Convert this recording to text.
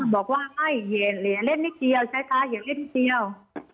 บอกว่าไม่เหยียเล่นนิดเดียวใช้ตาเหยียเล่นนิดเดียว